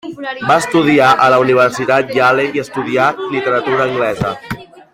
Va estudiar a la Universitat Yale i estudià literatura anglesa.